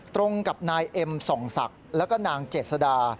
ตรงกับนายเอ็มส่องศักดิ์แล้วก็นางเจษดา